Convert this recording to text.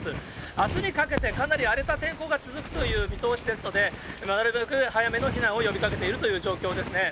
あすにかけてかなり荒れた天候が続くという見通しですので、なるべく早めの避難を呼びかけているという状況ですね。